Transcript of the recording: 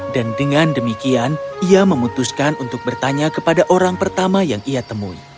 dan dengan demikian ia memutuskan untuk bertanya kepada orang pertama yang ia temui